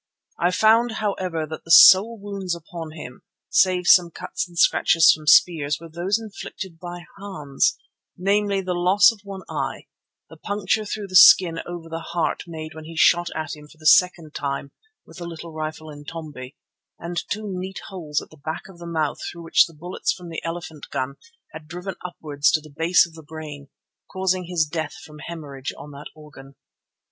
I found, however, that the sole wounds upon him, save some cuts and scratches from spears, were those inflicted by Hans—namely, the loss of one eye, the puncture through the skin over the heart made when he shot at him for the second time with the little rifle Intombi, and two neat holes at the back of the mouth through which the bullets from the elephant gun had driven upwards to the base of the brain, causing his death from hæmorrhage on that organ.